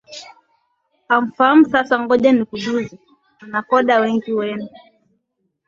haufahamu Sasa ngoja nikujuze Anacconda Wengi wenu